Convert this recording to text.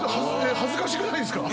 恥ずかしくないんですか